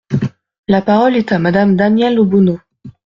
La parole est à Madame Danièle Obono.